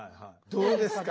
どうですか？